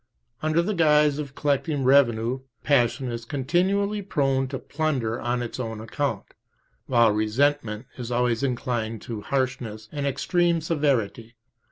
Under the guise of collecting revenue, passion is continually prone to plunder on its own account, while resentment is always inclined to harshness and extreme severity.